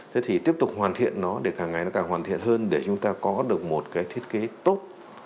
thế thì tiếp tục hoàn thiện nó để càng ngày nó càng hoàn thiện hơn để chúng ta có được một cái thiết kế tốt